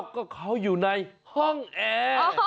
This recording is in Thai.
ก็เขาอยู่ในห้องแอร์